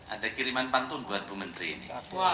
ada kiriman pantun buat bumenteri ini